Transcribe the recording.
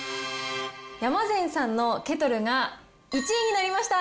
山善さんのケトルが１位になりました。